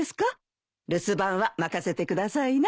留守番は任せてくださいな。